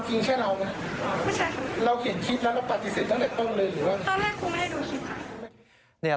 ตั้งแต่ครูไม่ได้ดูคลิป